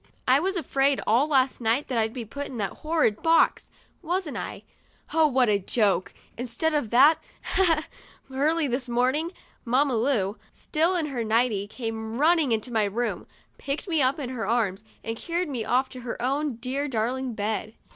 I was afraid all last night that I'd be put in that horrid box, wasn't I? Oh, what a joke! Instead of that, ha, ha! early this morning Mamma Lu, still in 81 THE DIARY OF A BIRTHDAY DOLL her nighty, came running into my room, picked me up in her arms, and carried me off to her own dear, darling bed.